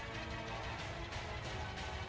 di jajaran pusat penerbangan angkatan dorot